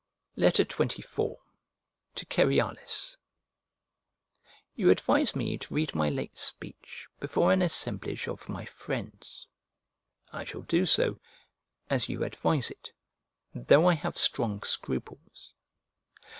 XXIV To CEREALIS You advise me to read my late speech before an assemblage of my friends. I shall do so, as you advise it, though I have strong scruples.